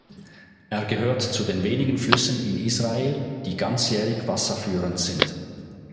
Er gehört zu den wenigen Flüssen in Israel, die ganzjährig wasserführend sind.